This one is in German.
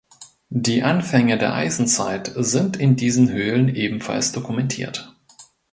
Die Anfänge der Eisenzeit sind in diesen Höhlen ebenfalls dokumentiert.